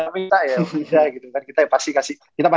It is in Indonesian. minta ya bisa gitu kan